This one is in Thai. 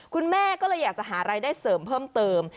คุณแม่ก็เลยอยากจะหารายได้เสริมเพิ่มเติม